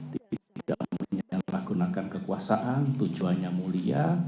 tidak menyalahgunakan kekuasaan tujuannya mulia